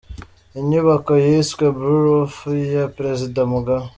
Inyubako yiswe Blue Roof ya perezida Mugabe